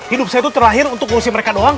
hidup saya itu terakhir untuk ngurusin mereka doang